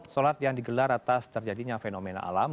solat yang digelar atas terjadinya fenomena alam